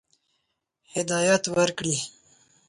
هدایت ورکړي.